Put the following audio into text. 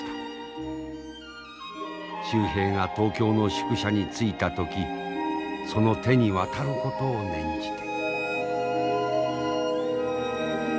秀平が東京の宿舎に着いた時その手に渡ることを念じて。